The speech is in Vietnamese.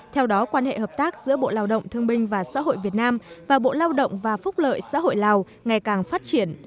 theo đó quan hệ hợp tác giữa bộ lao động thương binh và xã hội việt nam và bộ lao động và phúc lợi xã hội lào ngày càng phát triển